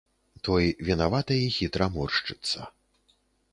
Той вінавата і хітра моршчыцца.